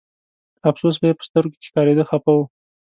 افسوس به یې په سترګو کې ښکارېده خپه و.